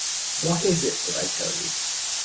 What is it that I tell you?